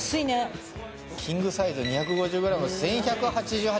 キングサイズ２５０ｇ１，１８８円だ。